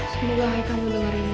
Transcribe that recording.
semoga raya kamu dengerin gue